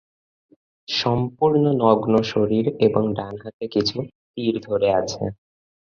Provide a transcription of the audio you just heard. সম্পূর্ণ নগ্ন শরীর এবং ডান হাতে কিছু তীর ধরে আছে।